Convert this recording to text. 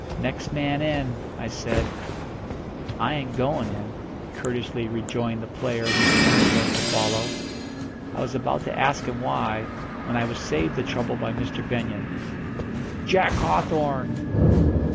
"Next man in," I said. "I ain't going in," courteously rejoined the player whose turn it was to follow. I was about to ask him why, when I was saved the trouble by Mr. Benyon. "Jack Hawthorn!"